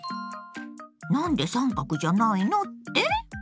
何で三角じゃないの？って？